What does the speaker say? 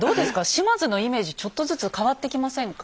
島津のイメージちょっとずつ変わってきませんか。